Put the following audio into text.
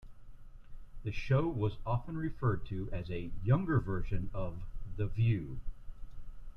The show was often referred to as a "younger version of "The View".